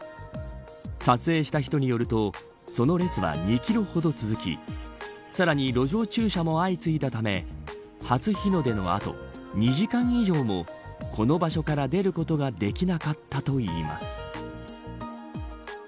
撮影した人によるとその列は２キロほど続きさらに路上駐車も相次いだため初日の出の後、２時間以上もこの場所から出ることができなかったといいます。